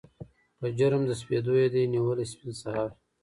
په جرم د سپېدو یې دي نیولي سپین سهار